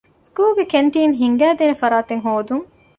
ސްކޫލުގެ ކެންޓީން ހިންގައިދޭނެ ފަރާތެއް ހޯދުން.